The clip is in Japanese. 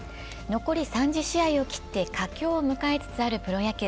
残り３０試合を切って華僑を迎えつつあるプロ野球。